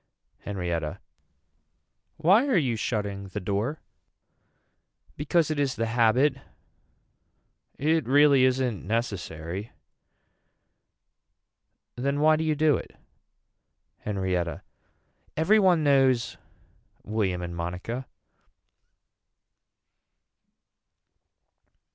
Henrietta. Why are you shutting the door. Because it is the habit. It really isn't necessary. Then why do you do it. Henrietta. Every one knows William and Monica.